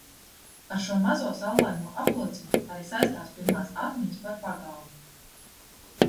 Ar šo mazo saulaino aplociņu arī saistās pirmās atmiņas par pagalmu.